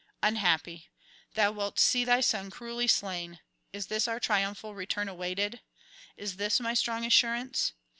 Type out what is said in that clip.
Unhappy! thou wilt see thy son cruelly slain; is this our triumphal return awaited? is this my strong assurance?